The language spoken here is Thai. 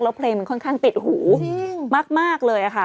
แล้วเพลงมันค่อนข้างติดหูมากเลยค่ะ